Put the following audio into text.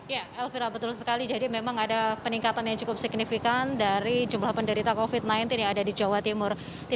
ya elvira betul sekali jadi memang ada peningkatan yang cukup signifikan dari jumlah penderita covid sembilan belas yang ada di jawa timur